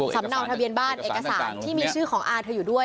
เนาทะเบียนบ้านเอกสารที่มีชื่อของอาเธออยู่ด้วย